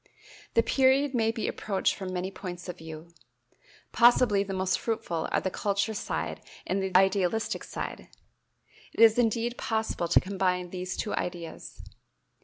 The period may be approached from many points of view. Possibly the most fruitful are the culture side and the idealistic side. It is indeed possible to combine these two ideas.